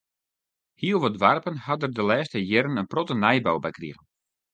Hiel wat doarpen ha der de lêste jierren in protte nijbou by krige.